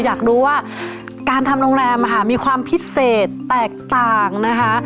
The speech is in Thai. อยากรู้ว่าการทำโรงแรมมีความพิเศษแตกต่างนะคะ